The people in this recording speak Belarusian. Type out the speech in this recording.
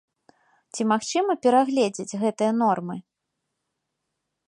Ці магчыма перагледзець гэтыя нормы?